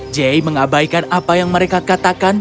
jay mengabaikan apa yang mereka katakan